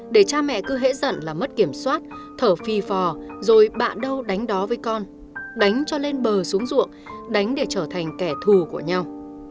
để cha mẹ cứ hễ dận là mất kiểm soát thở phi phò rồi bạ đâu đánh đó với con đánh cho lên bờ xuống ruộng đánh để trở thành kẻ thù của nhau